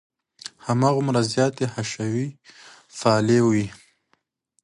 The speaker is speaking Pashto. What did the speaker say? هماغومره زیاتې حشوي پالې وې.